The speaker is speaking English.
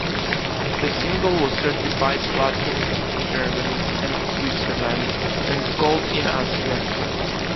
The single was certified Platinum in Germany and Switzerland, and Gold in Austria.